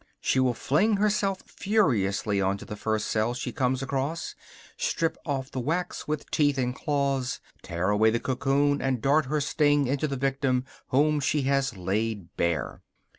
She will fling herself furiously on to the first cell she comes across, strip off the wax with teeth and claws, tear away the cocoon and dart her sting into the victim whom she has laid bare.